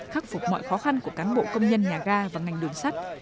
khắc phục mọi khó khăn của cán bộ công nhân nhà ga và ngành đường sắt